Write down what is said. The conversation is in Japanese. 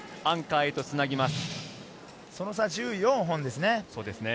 アンカーへとつなぎます。